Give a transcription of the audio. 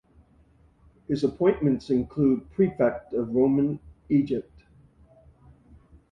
His appointments include prefect of Roman Egypt.